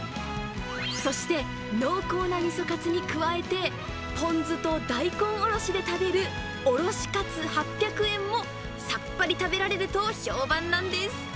そして、濃厚なみそかつに加えて、ポン酢と大根おろしで食べるおろしかつ８００円も、さっぱり食べられると評判なんです。